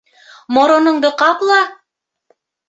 — Мороноңдо ҡапла!